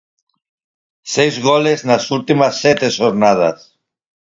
Seis goles nas últimas sete xornadas.